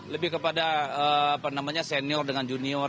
lebih kepada apa namanya senior dengan junior